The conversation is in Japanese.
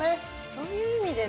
そういう意味でね